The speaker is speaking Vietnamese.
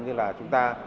như là chúng ta